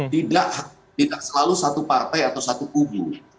tidak selalu satu partai atau satu kubu